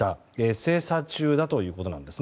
精査中だということです。